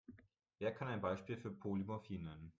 Wer kann ein Beispiel für Polymorphie nennen?